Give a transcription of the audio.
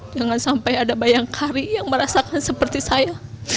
jangan sampai ada bayangkari yang merasakan seperti saya